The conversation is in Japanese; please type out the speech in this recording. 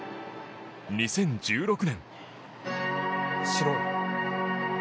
２０１６年。